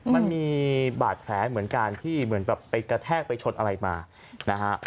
มันมีบาดแผลเหมือนการที่ไปกระแทกไปชดอะไรมานะฮะ